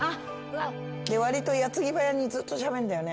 でわりと矢継ぎ早にずっとしゃべんだよね。